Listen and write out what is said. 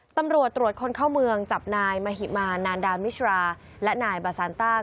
ตำรวจตรวจคนเข้าเมืองจับนายมหิมานานดามิชราและนายบาซานต้า